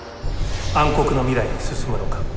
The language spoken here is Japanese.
暗黒の未来に進むのか。